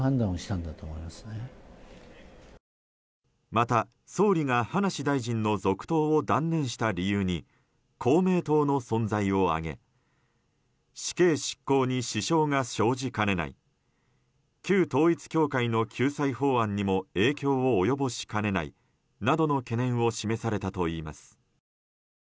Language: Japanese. また、総理が葉梨大臣の続投を断念した理由に公明党の存在を挙げ死刑執行に支障が生じかねない旧統一教会の救済法案にも影響を及ぼしかねないとの懸念を示されたといいます。